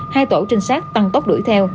hai tổ trinh sát tăng tốc đuổi theo